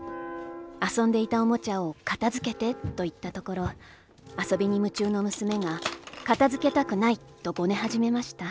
『遊んでいたおもちゃを片付けて』と言ったところ、遊びに夢中の娘が『片付けたくない』とゴネはじめました。